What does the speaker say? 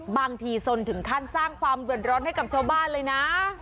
บางทีสนถึงขั้นสร้างความเดือดร้อนให้กับชาวบ้านเลยนะ